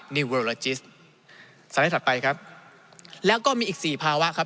นิเวอร์โลจิสต์สัญลักษณ์ถัดไปครับแล้วก็มีอีกสี่ภาวะครับ